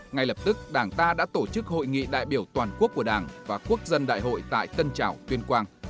ngay lập tức đảng ta đã tổ chức hội nghị đại biểu toàn quốc của đảng và quốc dân đại hội tại tân trào tuyên quang